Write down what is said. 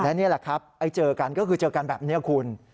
และนี่แหละครับเจอกันก็คือเจอกันแบบนี้คุณ